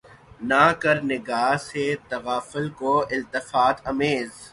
نہ کر نگہ سے تغافل کو التفات آمیز